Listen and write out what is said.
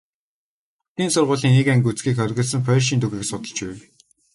Охидын сургуулийн нэг анги үзэхийг хориглосон польшийн түүхийг судалж байв.